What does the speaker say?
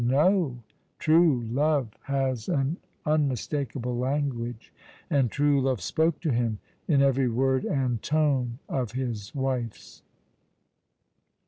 No! True love has an unmistakable language ; and true love spoke to him in every word and tone of his wife's.